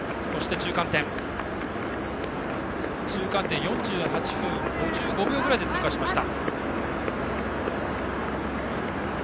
中間点は４８分５５秒くらいで通過しました。